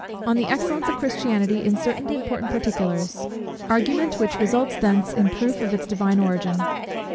_On the Excellence of Christianity in certain important Particulars. Argument which results thence in Proof of its divine Origin.